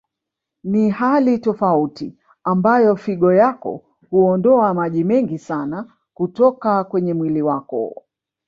Ni hali tofauti ambayo figo yako huondoa maji mengi sana kutoka kwenye mwili wako